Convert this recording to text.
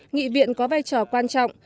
nghị viện có vai trò quan trọng